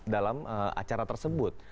dalam acara tersebut